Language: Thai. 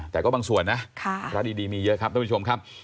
แต่ก็บางส่วนนะร้านดีมีเยอะครับต้องไปชมครับ